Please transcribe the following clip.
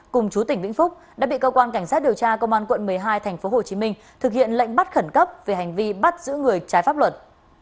cùng chú tỉnh vĩnh phúc đã bị cơ quan cảnh sát điều tra công an quận một mươi hai tp hcm thực hiện lệnh bắt khẩn cấp về hành vi bắt giữ người trái pháp luật